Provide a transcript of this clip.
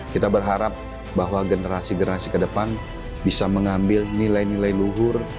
kita berharap bahwa generasi generasi ke depan bisa mengambil nilai nilai luhur